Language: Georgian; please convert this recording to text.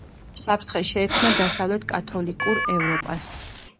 საფრთხე შეექმნა დასავლეთ კათოლიკურ ევროპას.